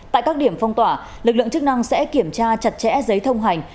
tại các điểm phong tỏa lực lượng chức năng sẽ kiểm tra chặt chẽ giấy thông hành